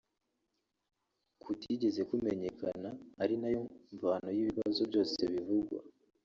kutigeze kumenyekana ari nayo mvano y’ibibazo byose bivugwa’